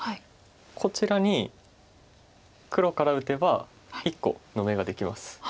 こちらに黒から打てば１個の眼ができます。